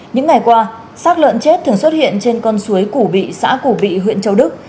những ngày qua sát lợn chết thường xuất hiện trên con suối củ bị xã củ vị huyện châu đức